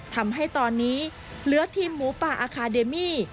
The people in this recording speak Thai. ทำให้ตอนนี้เหลือทีมหมูป่าอาคาเดมี่